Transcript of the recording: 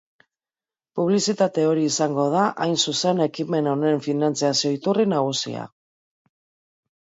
Publizitate hori izango da, hain zuzen, ekimen honen finantziazio-iturri nagusia.